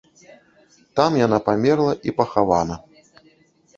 Там яна памерла і пахавана.